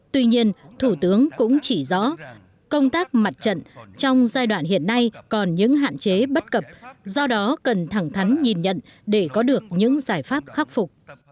tuy nhiên thủ tướng cũng chỉ rõ công tác mặt trận trong giai đoạn hiện nay còn những hạn chế bất cập do đó cần thẳng thắn nhìn nhận để có được những giải pháp khắc phục